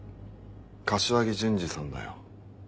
柏木淳二さんだよ。